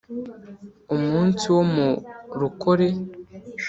umunsi wo mu rukore,